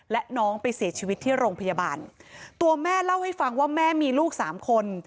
และน้องไปเสียชีวิตที่โรงพยาบาลตัวแม่เล่าให้ฟังว่าแม่มีลูกสามคน